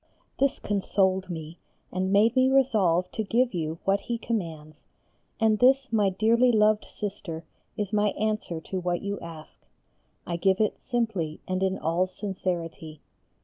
This consoled me and made me resolve to give you what He commands, and this my dearly loved Sister is my answer to what you ask. I give it simply and in all sincerity.